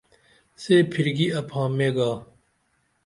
سے پھرکی اپھامے گا